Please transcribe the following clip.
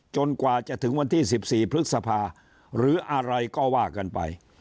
กว่าจะถึงวันที่๑๔พฤษภาหรืออะไรก็ว่ากันไป